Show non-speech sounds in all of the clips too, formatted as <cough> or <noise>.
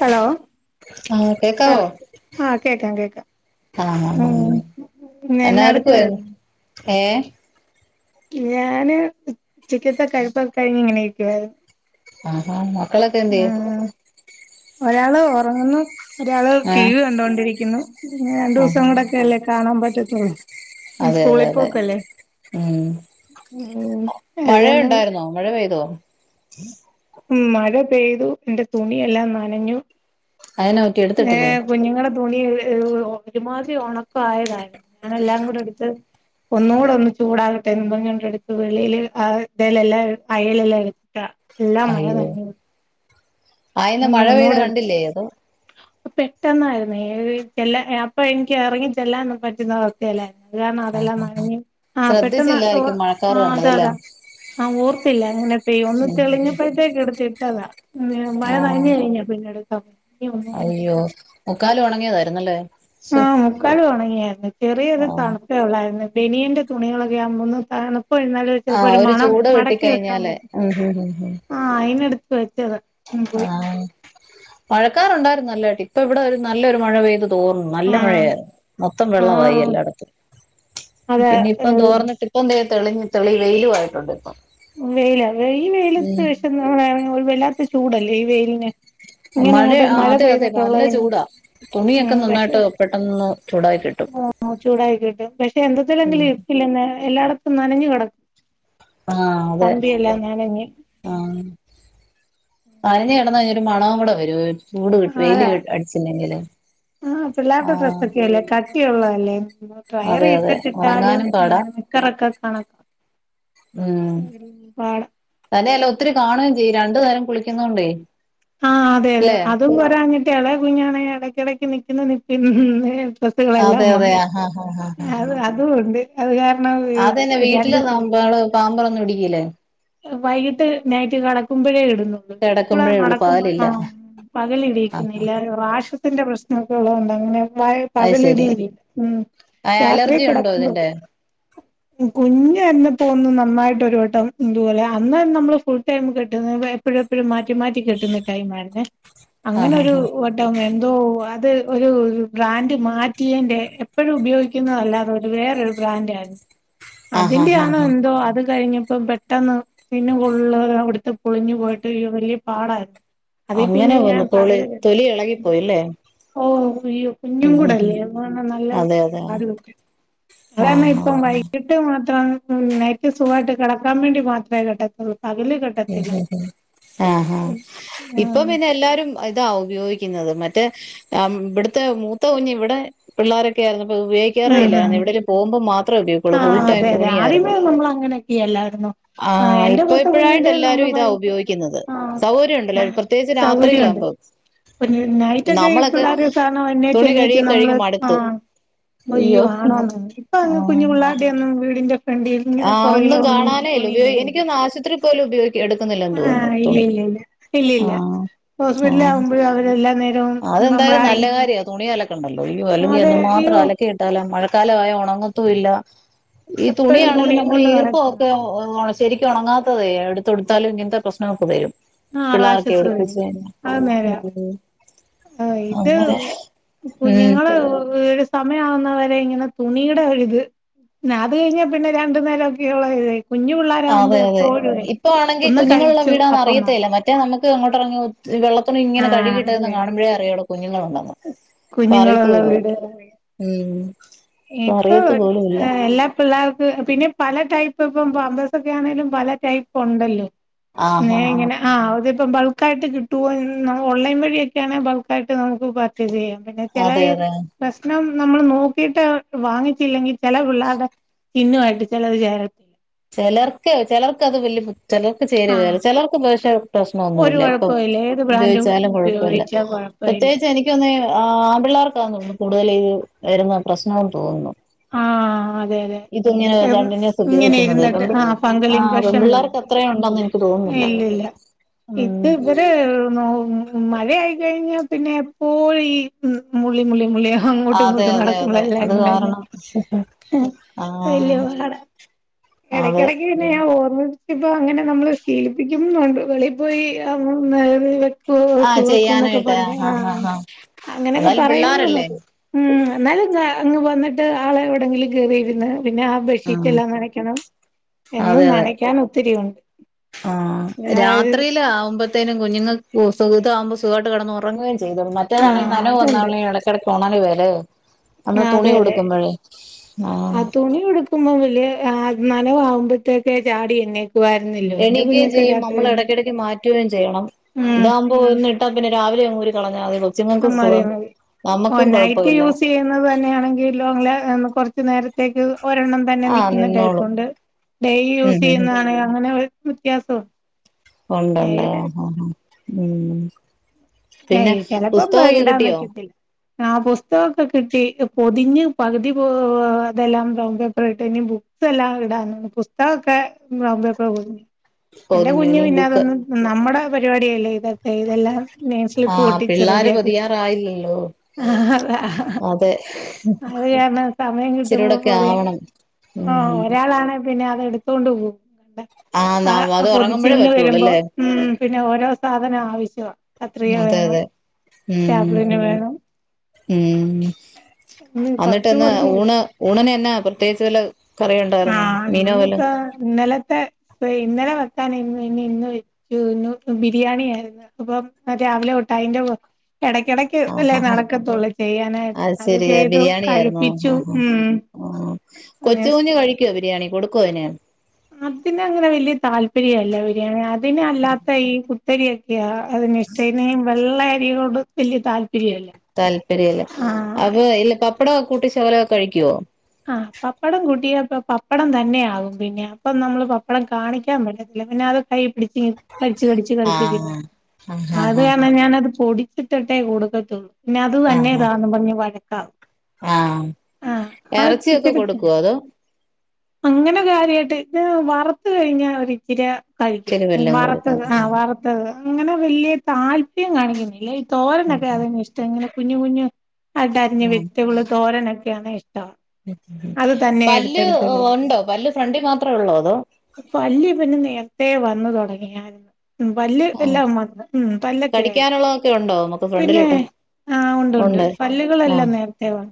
Hello ആഹ് കേക്കാവോ ആ കേക്കാം കേക്കാം ഉം <unintelligible> എന്നാ എടുക്കുവര്ന്ന് ഞാന് ഉച്ചക്കത്തെ കഴിപ്പൊക്കെ കഴിഞ് ഇങ്ങനെ ഇരിക്കുവായിരുന്നു. ആഹ് ആഹ് ആഹ് മ് ഒരാള് ഒറങ്ങുന്നു ഒരാള് ടി ആഹ് വി കണ്ടൊണ്ടിരിക്കുന്നു ഇനി രണ്ടു ദിവസം ആഹാ കൂടെക്കെ അല്ലേ കാണാൻ പറ്റത്തുള്ളൂ അതെ അതെ സ്കൂളിൽ അതെ പോക്കല്ലേ ഉം ഉം അതാണ് മഴയുണ്ടായിരുന്നോ മഴ പെയ്തോ ഉം മഴ പെയ്തു എന്റെ തുണിയെല്ലാം നനഞ്ഞു സയനോ ഏഹ് കുഞ്ഞുങ്ങള് തുണി ഒരുമാതിരി ഒണക്കയതായിരുന്നു ഞാനല്ലാം കൂടെ എടുത്ത് ഒന്നുകൂടെ ഒന്ന് ചൂടാകട്ടെന്ന് പറഞ്ഞു എടുത്ത് വെളിയിൽ അവുത്തെ ലെയെല്ലാം എടു അയല്ല്ലെട്ത്താ എല്ലാം മഴ അയ്യോ നനഞ്ഞു പോയി ആഹ് ഇന്ന് ഇനി മഴ പെയ്ത ഒന്നുടെ എടുത്തി കണ്ടില്ലേ അതോ അഹ് പെട്ടെന്നായിരുന്നേ ഏ എല്ല അപ്പൊ എനിക്ക് ഇറങ്ങി ചെല്ലാൻ പറ്റുന്ന അ യ ലെ അത് കാരണം ആ അതെല്ലാം ആ ആ നനഞ്ഞ് ആഹ് പെട്ടെന്ന് ഓ ശ്രദ്ധിച്ചില്ലായിരിക്കും മഴക്കാറ് ആഹ് കണ്ടതല്ലേ അതെയതെ ആഹ് ഓർത്തില്ല അങ്ങനെ പെയ്യു ന്ന് ഒന്ന് ഉം ഉം തെളിഞ്ഞപ്പോഴത്തേക്ക് എടുത്തിട്ടതാ ന്ന് മഴ ആഹ് നനഞ്ഞു കഴിഞ്ഞ് പിന്നെടുക്കാസത്യം അയ്യോ മുക്കാലും ഒണങ്ങിയതായിരുന്നല്ലേ ശോ ആഹ് മുക്കാലും ഉണങ്ങിയായിരുന്നു ചെറിയൊരു ആഹ് തണു ട്ടോ ഉള്ളായിരുന്നു ബനിയന്റെ തുണികളെക്കെ ആകുമ്പോന്ന് തണുപ്പ്‌ കഴിഞ്ഞാൽ ച്ച് ചിലപ്പം ആഹ് ഒരു മണം ചൂട് മടക്കി വെക്കാൻ കിട്ടിക്കഴിഞ്ഞാല് ഉം പറ്റത്തില്ല ഉം ഉം ഉം ആഹ് അയിന്ടുത്ത് വെച്ചത ആഹ് മഴക്കാറുണ്ടായിരുന്നു നല്ലായിട്ട് ഇപ്പ ഇവിടെ ര് നല്ലൊരു മഴ പെയ്തു തോർന്ന് നല്ല ആഹ് മഴയായിരുന്നു മൊത്തം വെള്ളവായി ആഹ് എല്ലായിടത്തും അതെ പിന്നെ ഇപ്പം തോർന്നിട്ട് ഇപ്പൊ ദേ തെളിഞ്ഞ തെളി വെയിലു ആയിട്ടുണ്ട് ഇപ്പം വെയില ഈ വെയിലത്ത് ഉം വിഷ വല്ലാത്ത ചൂടല്ലേ ഈ വെയിലിന് ഇങ്ങനെ അങ്ങോട്ട് ആഹ് മഴ അതെ അതെ പെയ്തിട്ടുള്ള നല്ല തേന് ചൂടാ തുണിയൊക്കെ ഉം പക്ഷെ നന്നായിട്ട് പെട്ടെന്ന് ചൂടായി കിട്ടും ആഹ് ചൂടായിക്കിട്ടും പക്ഷെ ഉം എന്തത്തിലേങ്കില് ഇല്ല ന്നേ എല്ലായിടത്തും നനഞ്ഞു കടക ആഹ് അതെ നനഞ്ഞ് ആഹ് നനഞ്ഞു കിടന്നാ ഒരു മണം കൂടെ വരും ചൂട് കി വെയില് അതാ അടിച്ചില്ലെങ്കില് ആഹ് സത്യം ഒള്ളതല്ലേ ട്രയറി അതെ അതെ ഇട്ടിട്ട ഇട്ടാലും ഉണങ്ങാനും പാടാ നിക്കറൊക്കെ കണ ഒരു വാടാ തന്നേ അല്ല ഒത്തിരി കാണും ചെയ്യും രണ്ടു നേരം കുളിക്കുന്നോണ്ടേ ആഹ് അതെ അതെ അല്ലേ അതും പോരാഞ്ഞിട്ട് ഇളയ കുഞ്ഞാണെ ഇടക്കിടക്ക് നിക്കുന്ന നിപ്പിൽ അതെ അതെ സ്വത്തുകെളെല്ലാംമാങ്ങി ആഹ് ആഹ് ആഹ് ആഹ് അത് അതുകൊണ്ട് അത്കാരണംവിപിരിയാണ്ടേപോവും പാമ്പറൊന്നുടിയില്ലേ വൈകിട്ട്നൈറ്റ്കെടക്കുമ്പോഴേ കിടക്കുമ്പോഴേ ഉള്ളൂ ഇടുന്നുള്ളൂവീട്ടികൂടെനടക്കുമ്പോ പകലില്ല ആ ആഹ് പകലിടിയിക്കുന്നില്ലറാഷസിന്റെ പ്രശ്നമൊക്കെള്ളതുകൊണ്ട് അങ്ങനെവയ അത് ശരി പകലിടില്ല ഉം ആഹ് അലർജി ഉണ്ടോ ഇതിന്റെ രാത്രികെടക്കമ്പടും കുഞ്ഞായിരുന്നപ്പംനന്നായിട്ട്ഒരുവട്ടം മ് ഇതുപോലെ അന്ന് നമ്മൾ ഫുൾ ടൈം കിട്ടുന്നത് എപ്പഴും എപ്പഴും മാറ്റി മാറ്റി കെട്ടുന്ന ടൈമായിരുന്നെ ആഹ് അങ്ങനൊരു ആഹ് ഒ രുവട്ടം എന്തോ അത് ഒരു ബ്രാൻഡ് മാറ്റിയേന്റെ എപ്പഴും ഉപയോഗിക്ക ന്നെല്ലാതെ ഒരു വേറൊരു ബ്രാൻഡായിരുന്നു ആഹ് ആഹ് അതിന്റെയാണോ ആഹ് എന്തോ അത് കഴിഞ്ഞപ്പൊ പെ ട്ടെന്ന് സ്കിന്ന് ഫുള്ള് അവിട്ത്തെ പൊളിഞ്ഞു പോയിട്ട് വല്ല്യ പാടായി അങ്ങനെ അതിപിന്നെ ഞാൻ വന്നപ്പോള് പകലെ തൊലി <unintelligible> ഇളകിപ്പോയില്ലേ ഓ യ്യോ കുഞ്ഞും ഉം ഉം ഉം കൂടെല്ലേ അപ്പം പറഞ്ഞാ നല്ലാ അതെ അതെ ആഹ് പാട്പ്പെട്ട് ഇവടെന്നെയിപ്പം ആഹ് വൈകിട്ട് ട്ട് മാത്രം നൈറ്റ് സുഖായിട്ട് കെടക്കാ വേണ്ടി മാത്രെ കെട്ടത്തൊള്ളൂ പകല് കെട്ട ഉം ഉം ഉം ആഹ് ഹാ ഇപ്പൊപിന്നെല്ലാരും ഇതാ ഉപയോഗിക്കുന്നത് മറ്റെ പ ആഹ് ഇബട്ത്തെ മൂത്ത കുഞ്ഞ് ഇവടെ പിള്ളാരൊക്കെയായിരുന്നു ഇപ്പത് ഉപയോഗി ക്കാറെയില്ല ഉം എവിടേലും പോകുമ്പോ മാത്രെ ഉപയോഗിക്കൊള്ളൂ ആ ഫുൾ ടൈം അതെ അതെ തുണിയായിരുന്നു. ആദ്യമേ നമ്മൾ അങ്ങനെയൊക്കെയല്ലായിരുന്നോ ആ ആഹ് എന്റെ മൂത്ത കുഞ്ഞിന്റെ ഇപ്പയിപ്പഴായിട്ടല്ല നമ്മള് ഇപ്പെല്ലാരുയിതാ വൈകിട്ടൊക്കെ ഉപയോഗിക്കുന്നത് ആ സൗകര്യവുണ്ടല്ലൊ പ്രത്യേകിച്ച് സൗകര്യമുണ്ട് രാത്രിയിലാകുമ്പം <unintelligible> നൈറ്റൊക്കെ ഈ പിള്ളേരെ സാധനം എണീറ്റ് തുണി കഴുകി എണീറ്റ് കഴുകി നമ്മള് മടുത്തു ആഹ്. അയ്യോ ആണോന്നോ ഇപ്പൊ അങ്ങ് കുഞ്ഞുപിള്ളാരുടെയൊന്നും വീടിന്റെ ഫ്രണ്ടിൽ ഇങ്ങനെ ആഹ് ഒന്നും പുറകിലോ കാണാനേയില്ല ഉപയോഗി എനിക്ക് തുണിയില്ലല്ലോ തോന്നു ആശുപത്രി പോലും ഉപയോഗി എടുക്കുന്നില്ലെന്ന് ആ തോന്നുന്നു തുണി. ആഹ്. ആഹ് ഹോസ്പിറ്റലാവുമ്പഴും അവരെല്ലാ നേരവും നമ്മളെ അതെന്തായാലും നല്ല കാര്യാ തുണിയലക്കണ്ടല്ലോ അയ്യൊ അതെ അല്ലെങ്കിയെന്ത് മാത്രം അയ്യോ അലക്കിയിട്ടാല മഴക്കാലവായ ഒണങ്ങത്തുവില്ല ഈ എപ്പഴും തുണിയാണെലും തുണിയും നമ്മള് കൊണ്ട് ഈർപ്പ നടക്കാ ക്കെ ശരിക്കൊണങ്ങാത്തതെ എടുത്തുടുത്താലും ഇങ്ങൻത്തെ പ്രശ്നമൊക്കെ വെരും. ആഹ് പിള്ളേർക്കെ റാഷസ് എവിടെക്കെ വരും അത് നേരാ <unintelligible> ആഹ് ഇത് ഉം കുഞ്ഞുങ്ങള് പിരീഡ്സ് സമയമാവുന്നവരെ ഇങ്ങനെ തുണിയുടെ ഒരിത് ആഹാ അത് കഴിഞ്ഞാ പിന്നെ രണ്ടു നേരൊക്കെയൊള്ള കുഞ്ഞു പിള്ളോരാകുമ്പോ അതെ അതെ എപ്പോഴുവേ ഇപ്പ ആണെങ്കി ഒന്ന് കുഞ്ഞുങ്ങളുള്ള കഴിച്ചു വീടാന്ന് അപ്പം അറിയത്തേയില്ല മാറും മറ്റെ മറ്റേ നമ്മക്ക് അങ്ങോട്ടെറങ്ങിയാ ഒത്തി വെള്ള തുണി ഇങ്ങനെ ആഹ് കഴുവിട്ടെന്നെ അതെ അതെ കാണുമ്പഴേ അറിയാ അവിടെ കുഞ്ഞുങ്ങളുണ്ടെന്ന് ഇപ്പറിയത്തു കുഞ്ഞുങ്ങളുള്ള പോലുവില്ല വീടുകളാണ് ഉംഹ് ഇപ്പൊ എല്ലാ പിള്ളേർക്ക് പിന്നെ പല ടൈപ്പ്പ്പം പമ്പെസെക്കെ ആണേലും പല ടൈപ്പ് ഒണ്ടല്ലോ? <unintelligible> ഇങ്ങനെ ആഹ് അതിപ്പം ബൾക്കായിട്ട് കിട്ടുവോ ഓൺലൈൻ വഴിയൊക്കെയാണെ ബൾക്കായിട്ട് നമുക്ക് പർ ച്ചേസെയ്യാം പിന്നെ ചെല അതെ ഈ അതെ പ്രശ്നം നമ്മള് നോക്കി ട്ട് വാങ്ങിച്ചില്ലെങ്കി ചെല പിള്ളേര്ടെ സ്‌കിന്നുവായിട്ട് ചെലത് ചേരത്തില്ല ചെലർക്ക് ചെലർക്കത് വലിയ <unintelligible> ചെലർക്ക് ചേരുവേല ചെലർക്ക് പക്ഷേ ഒരു പ്രശ്നൊന്നുവില്ലയിപ്പം കുഴപ്പമില്ല ഏത് ബ്രാൻഡും ഉപയോഗിച്ചാലും കൊഴപ്പൊല്ല ഉപയോഗിച്ചാ കുഴപ്പമില്ല പ്രത്യേകിച്ചെനി ക്കൊന്നെ ആ ആംപിള്ളാർക്കാന്ന് തോന്ന്ണു കൂടുതലീ വെരുന്ന പ്രശ്നോന്ന് തോന്നുന്നു. ആ അതെ അതെ ഈ തുണിയങ്ങനെ കണ്ടിന്യൂസ് ഉപയോ ഇങ്ങനെ ഇരുന്നിട്ട് ഗിക്കുന്നത് ആ ഫംഗൽ ആഹ് ഇൻഫെക്ഷൻ വരും പെംപിള്ളേർക്കത്രെയുണ്ടെന്ന് എനിക്ക് തോന്ന്ന്നില്ല. ഇല്ലില്ല ഇത് ഇവര് <unintelligible> മ് മഴ ആയിക്കഴിഞ്ഞാപിന്നെ എപ്പോഴീ മുള്ളി മുള്ളി മുള്ളിയ അങ്ങോട്ടും അതെ ഇങ്ങോട്ടും അതെ അതെ നടക്കുമ്പളെല്ലാം അത് ഇങ്ങനെ കാരണം ആഹ് വല്യപാട അതെ എടക്കെടക്ക് പിന്നെ ഞാൻ ഓർമ്മ ഇപ്പ അങ്ങനെ നമ്മള് ശീലിപ്പിക്കുന്നുണ്ട് വെളിയിൽ പോയി <unintelligible> പോ ശു വക്കുന്നൊക്കെ പറഞ്ഞ ആഹ് അങ്ങനെയൊക്കെ എന്നാലും പറയുമ്പോ പിള്ളാരല്ലേ ഉം എന്നാലും ങ് അങ്ങ് വന്നിട്ട് ആളെ എവിടെങ്കിലും കേയറിയിരുന്ന് പിന്നെ ആഹ് ബെഡ്ഷീറ്റെല്ലാം നനക്കണം എന്നും അതെ അതെ നനക്കാൻ ഒത്തിരി ഉണ്ട് ആഹ് രാത്രിയില് ആവ്മ്പെ ത്തെനു കുഞ്ഞുങ്ങക്കു സു ഇത് ആകുമ്പോ സുഖായിട്ട് കെടന്ന് ഒറങ്ങുകയും ചെയ്തോള്ളും മറ്റേതാണെങ്കി ആഹ് നനവ് വന്ന അതുണ്ട് <unintelligible> കിടക്കാണേല് <unintelligible> നമ്മള് ആ തുണി അതെ അതെ ഉടുക്കുമ്പോഴേ ആഹ് ക്കുമ്പൊ വെല്യേ ആഹ് നനവ് ആകുമ്പത്തേക്കെ ചാടി എഴുന്നേ ക്കുവാര്ന്നില്ല എണീക്കേം ചെയ്യും നമ്മൾ എടയ്ക്കെടക്ക് മാറ്റുവേം ചെയ്യണം ഉം ഇതാ ആവു മ്പൊ ഒന്നിട്ടാ പിന്നെ രാവിലെ അങ്ങൂരി കളഞ്ഞാ മതി കൊച്ചുങ്ങൾക്കും ആഹ് മതി സുഖം മതി ഓ നമ്മുക്കും നൈറ്റ് കൊഴപ്പമില്ല യൂസ് ചെയ്യുന്നത് തന്നെയാണെങ്കി ങ്കിലോങ്ങ്‌ല് കൊറച്ച് നേരത്തേക്ക് ഒരെണ്ണം മ തന്നെ ആഹ് നിക്കുന്ന നിന്നോളും ടൈപ്പൊണ്ട് ഡെയി ഉം യൂസ് ഉം ചെയ്യുന്നതാണെങ്കിൽ അങ്ങനെ വ്യത്യാസോ ഒണ്ടൊണ്ട് ആഹ് ആഹ് ഉം പിന്നെ ഏയ് ചെലപ്പം ബ പുസ്തകമൊക്കെ ഇടാൻ കിട്ടിയോ വെക്കത്തില്ല ആഹ് പുസ്തകൊക്കെ കിട്ടി പൊതിഞ്ഞ് പകുതി ഈഹ് ഇതെല്ലാം ബ്രൗൺ പേപ്പർ ഇട്ട് ഇഞ് <unintelligible> ഇടാനാണ് പുസ്തകമൊക്കെ ബ്രൗൺ പ്പേപ്പർ പൊതിഞ്ഞ് എന്റെ പൊതിഞ്ഞു കുഞ്ഞു ഇനി പിന്നെ ബുക്ക് അതൊന്നും നമ്മുടെ പരിപാടിയല്ലേ ഇതൊക്കെ ഇതെല്ലാം നെയിം സ്ലിപ്പ് ആഹ് ഒട്ടിച്ച് പിള്ളാര് റെഡിയാക്കി പൊതിയാറായില്ലല്ലോ അതാ അതെ അത് കാരണം സമയം കിട്ടുമ്പോ ഇച്ചിരികൂടൊക്കെ ആവണം ഉം മക്കളാണെ പിന്നെ അത് എടുത്തോണ്ട് പോവും ന ആഹ് അത് ഉറങ്ങുമ്പോഴേ പൊതിച്ചിലിന്ന് വരുമ്പോ പറ്റുള്ളൂല്ലേ ഉം പിന്നെ ഓരോ സാധനം ആവശ്യവാ കത്രിക അതെ വേണം അതെ ഉം സ്റ്റാപ്ലിന് ഹും വേണം ഉം ഇന്ന് കൊറച്ച് അന്നിട്ടെന്നാ പൊതിഞ്ഞ് ഊണ് വെച്ചു ഊണിനെന്നാ പ്രത്യേകിച്ച് വല്ല കറി ഉണ്ടായിരുന്നോ ആഹ് മീനോ വല്ലോം ഇന്നിപ്പേ ഇന്നലത്തെ പ്പെ ഇന്നലെ വെക്കാൻ ഇരുന്ന് ഇനി ഇന്ന് വെച്ചു ബിരിയാണി ആയിരുന്നു അപ്പം രാവിലെ തൊട്ട് അതിന്റെ <unintelligible> ഇടക്കിടക്ക് ക്ക് ആഹ് അല്ലേ ആഹ് ആഹ് നടക്കത്തൊള്ള് ചെയ്യാനായിട്ട് അത് ശരി ചെയ്തു ബിരിയാണി ആയിരുന്നോ ആഹ് കഴിപ്പിച്ചു ആഹ് ഉം ആഹ് കൊച്ചു കുഞ്ഞ് കഴിക്കുവോ ബിരിയാണി കൊടുക്കുവോ അതിന് അതിന് അങ്ങനെ വല്യ താല്പര്യല്ല ബിരിയാണി അതിനല്ലാത്ത ഈ കുത്തരിയൊക്കെയാ അതിന് ഇഷ്ടം അയ്നി വെള്ള അരിയോട് വല്യ താല്പര്യല്ല താല്പര്യല്ല ആഹ് അപ്പൊ ഇല്ല പപ്പടം ഒക്കെ കൂട്ടി ശകലൊക്കെ കഴിക്കുവോ ആഹ് പപ്പടം കൂട്ടിയപ്പ പപ്പടം തന്നെയാകും പിന്നെ അപ്പം നമ്മള് പപ്പടം കാണിക്കാൻ പറ്റത്തില്ല പിന്നെ അത് കയ്യിപ്പിടിച്ച് കടിചച്ച് കടിച്ച് കടിച്ച് തിന്നും ആഹ് ആഹ് ആഹ് അത് ആഹ് കാരണം ഞാനത് പൊടിച്ചിട്ടിട്ടേ കൊടുക്കത്തുള്ളൂ പിന്നെ അത് ആഹ് വന്നെ ആഹ് ഇടാന്നും പറഞ്ഞ് വഴക്കാവും ആഹ് അഹ് <unintelligible> ഇറച്ചിയൊക്കെ ക്കറ്റ് കൊടുക്കുവോ <unintelligible> അതോ അങ്ങനെ കാര്യമായിട്ട് ഞ വറത്ത് കഴിഞ്ഞാ ഒരിച്ച് രെ ഇച്ചിരി കഴിക്കും വല്ലോം വറത്ത് കൊടുക്കും ആഹ് വറ അങ്ങനെ വല്യെ താല്പര്യം കാണിക്കുന്നില്ല ഈ തോരനൊക്കെ ആഹ് അതിന് ഇഷ്ടം ഇങ്ങനെ കുഞ്ഞ് കുഞ്ഞു അട അരിഞ്ഞ് വെജിറ്റബിള് തോരനൊ ക്കെയാണെഇഷ്ടാ ഉം പല്ല് കഴിക്കും. ഒണ്ടോ പല്ല് ഫ്രണ്ടി മാത്രമേ ഒള്ളോ അതോ പല്ല് ഇവന് നേരത്തെ വന്നു തൊടങ്ങിയായിരുന്നു ഉം പല്ല് എല്ലാം വന്ന് ഉം പല്ലൊക്കെ ആയി കടിക്കാനുള്ളതൊക്കെ ഉണ്ടോ നമുക്ക് പിന്നെ ഫ്രണ്ടിലിട്ട് ആഹ് ഉണ്ട് ഒണ്ട് പല്ലുകളെല്ലാം നേര <unintelligible>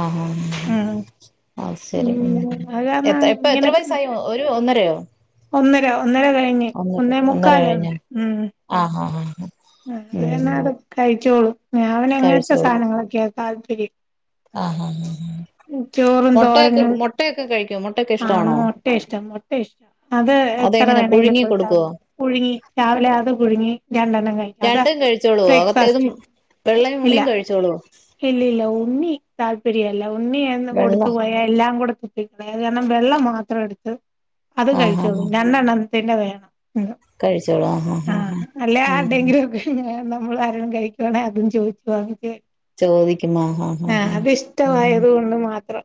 ആഹാ ഉം അത് ശരി ഉം അത് കാരണം എത് ഇപ്പ എത്ര ഇങ്ങനൊക്കെ വയസായി ഒരു ഒന്നരയോ ഒന്നര ഒന്നര കഴിഞ്ഞ് ഒന്നേ മുക്കാലാ ന്ന് ഉം ആഹ്ഹഹാ അത് എന്നാ അത് കഴിച്ചോളും ഞാ അവന് അങ്ങനത്തെ കഴിച്ചോളും സാധനങ്ങളൊക്കെയാ താല്പര്യം ആഹ്ഹഹാ ചോറും തോരനും മുട്ടയൊക്കെ ആ ഇഷ്ടമാണോ മൊട്ട ഇഷ്ടം മൊട്ട ഇഷ്ടം അത് എത്ര അതെങ്ങനെ വേണേലും പുഴുങ്ങി കൊടുത്താലു കൊടുക്കുവോ പുഴുങ്ങി രാവിലെ അത് പുഴുങ്ങി രണ്ടെണ്ണം കഴി- രണ്ടും കഴിച്ചോളുവോ അകത്തേതും വെള്ളയും ഉണ്ണിയും കഴിച്ചോളൂ ഇല്ലില്ല ഉണ്ണി താല്പര്യല്ല ഉണ്ണിയന്ന് വെള്ള കൊടുത്തു പോയാ എല്ലാം കൂടെ അത് കാരണം വെള്ളം മാത്രം എടുത്ത് അത് ആഹ് കഴിചോളും രണ്ടെണ്ണ ത്തിന്നെ വേണം ഉം കഴിച്ചോളൂ ആഹഹഹാ നമ്മളാരും കഴിക്കുആണെ അതും ചോയിച്ചു വാങ്ങിച്ച് ചോദിക്കുമൊ ആ അത്ഷ്ടായത് കൊണ്ട് മാത്രം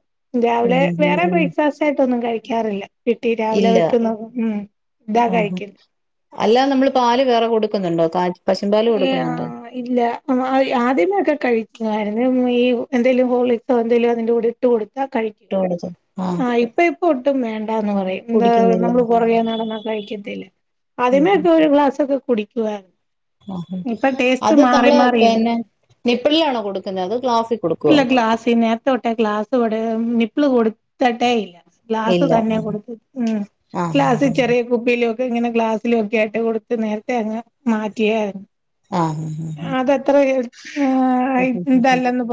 ഉം രാവിലെ ഉം വേറെ ഉം ബ്രേക്ക്ഫാസ്റ്റയിട്ടൊന്നും കഴിക്കാറില്ല കിട്ടി രാവിലെ ഇല്ല വെക്കുന്ന ഉ ഉം ഇതാ ആ ആ കഴിക്കല് അല്ല നമ്മള് പാല് വേറേ കൊടുക്കുന്നുണ്ടോ കാ- പശുമ്പാല് ഏ ആ കൊടുക്കുന്നുണ്ടോ ഇല്ല <unintelligible> ആദ്യമേ ഒക്കെ കഴിക്കാരുന്നു ഈ എന്തേലും ഹോളികോ എന്തേലും അതിന്റെ കൂടെ കൊടുത്ത കയി- ടോടച്ച ആ ഇപ്പ ഇപ്പൊ ഒട്ടും വേണ്ടാന്ന് പറയും എന്താ കുടിക്കുന്നില്ല നമ്മള് പുറകേ നടന്നാ കയിക്കത്തില്ല ഉം ആദ്യമേ ഒക്കെ ഒരു ഗ്ലാസ്സക്കെ കുടിക്കുവാ ആഹ അത് തമ്മള് മാറി വരുന്നു പിന്നെ നിപ്പിൾലാണോ കൊടുക്കുന്നത് ഗ്ലാസികൊടുക്കുവോ ഗ്ലാസിന് ത്തോട്ടെ ഗ്ലാസ് കൊട് നിപ്പിള് കൊടുത്തട്ടേ ഇല്ല ഗ്ലാസ് ഇല്ല തന്നെ കൊടുക്കു ഉം ആ ആ ഗ്ലാസ് ചെറി- കുപ്പിലൊക്കെ ഇങ്ങനെ ഗ്ലാസ്സിലുഒക്കെ ആയിട്ട് കൊടുത്ത് നേരത്തെ അങ്ങ് മാറ്റിയായിര്- ആഉം അതെത്ര ആ ഇതല്ലന്ന്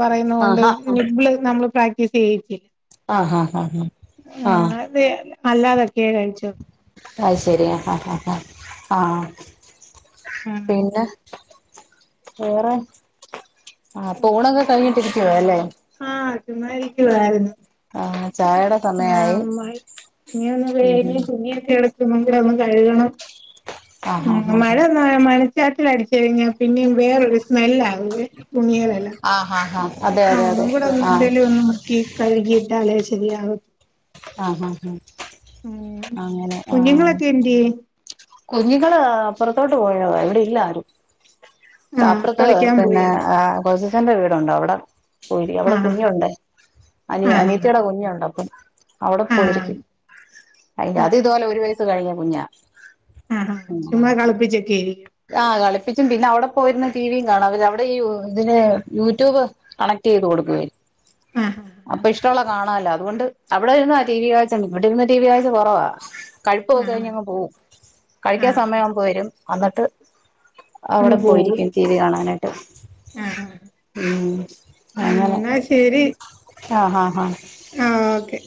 ആ പറയുന്നോണ്ട് ആ നിബിള് നമ്മള് പ്രാക്- റ്റിസ് യ്യിക്കും ആ ആ ആ ആ <unintelligible> അല്ലാതൊക്കെയ കഴിച്ചോ അയ്ശരിയാ ഹഹഹ ഹാ ഉം പിന്നെ വേറെ ആ പോഉണൊക്കെ കഴിഞ്ഞിട്ടിരിക്കുവാ അല്ലേ ആഹ് ചുമ്മാരിക്കുവായിരുന്നു ആ ആ <unintelligible> നീ ഒന്ന് വേ ഉം ഉം തുണിയൊക്കെ- <unintelligible> കഴുകണം ആഹ് മഴ ആഹ് മഴച്ചാറ്റൽ അടിച്ചഴഞ്ഞ പിന്നെ വേറൊരു സ്മെല്ലാ <unintelligible> തുണികളല്ല ആഹ് ആഹ് ആഹ് ആഹ് അതെ അതെ അതെ ഒന്നും കൂടെ ഒന്ന് ആഹ് എന്തേലും ഒന്ന് ക്കി കഴുകിട്ടാലേ ശരിയാവു ആഹഹാ അങ്ങനെ ആ എന്തെ കുഞ്ഞുങ്ങള് അപ്പുറത്തോട്ട് പോയ <unintelligible> ഇവിടെ ഇല്ല ആരും ആഹ് താപ്പറത്ത് കളിക്കാൻ പിന്നെ പോയി ആ കൊച്ചചന്റെ വീടുണ്ട് അവിടെ പോയിരി അവിടെ ആഹ് കുഞ്ഞുണ്ട് അനി ആഹ് അനിയത്തിയുടെ കുഞ്ഞുണ്ട് അപ്പം അവിടെ ആഹ് പോയിരിക്കും. അയിന് അത് ആഹ് ഇതുപോലെ ഒരു വയസ്സ് കഴിഞ്ഞ കുഞ്ഞാ ആ <unintelligible> കളപ്പിച്ചക്കേരി ആഹ് കളിപ്പിച്ചും പിന്നെ അവിടെ പോയിരുന്ന് ടിവിയും കാണാം അവ അവിടെ ഈ ഇതിന് യൂട്യൂബ്. കണക്ട് ചെയ്ത് കൊടുക്കുവേ ആഹ് അപ്പൊ ഇഷ്ടമുള്ള കാണാല്ലോ അതുകൊണ്ട് അവിടെ ഇരുന്നാ ടി വി കാഴ്ച്ച ഇവിടെ ഇരുന്ന് ടി വി കാഴ്ച്ച കൊറവാ കഴിപ്പൊക്കെ ആഹ് കഴിഞ്ഞങ്ങ് പോകും കഴിക്കാ ആഹ് സമയിവുമ്പോ വരും എന്നിട്ട് അങ്ങ് അവിടെ പോകും പോയിരിക്കും ടി വി കാണാനായിട്ട് ആഹ് ഉം അങ്ങനെ എന്നാ ശെരി ആഹ് ആഹ് ആഹ് ആഹ് ഓക്കെ